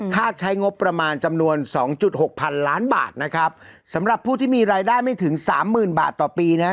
ใช้งบประมาณจำนวนสองจุดหกพันล้านบาทนะครับสำหรับผู้ที่มีรายได้ไม่ถึงสามหมื่นบาทต่อปีนะฮะ